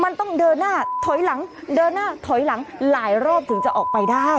มันต้องเดินหน้าถอยหลังเดินหน้าถอยหลังหลายรอบถึงจะออกไปได้